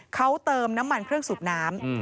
เขาเติมน้ำมันเครื่องสูบน้ำ